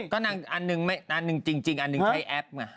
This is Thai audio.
ก็นางอันหนึ่งจริงอันหนึ่งใช้แอปมา